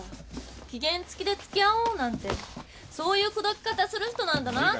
期限付きでつきあおうなんてそういう口説き方する人なんだなって。